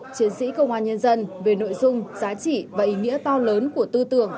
chiến sĩ công an nhân dân về nội dung giá trị và ý nghĩa to lớn của tư tưởng